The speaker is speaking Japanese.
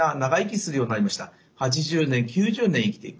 ８０年９０年生きていく。